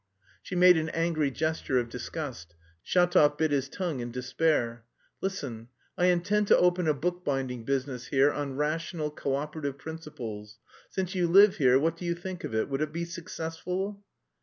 She made an angry gesture of disgust. Shatov bit his tongue in despair. "Listen, I intend to open a bookbinding business here, on rational co operative principles. Since you live here what do you think of it, would it be successful?"